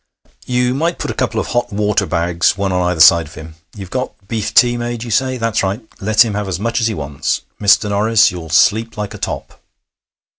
You might put a couple of hot water bags, one on either side of him. You've got beef tea made, you say? That's right. Let him have as much as he wants. Mr. Norris, you'll sleep like a top.'